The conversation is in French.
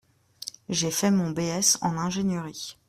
J’ai fait mon B.S en ingénierie.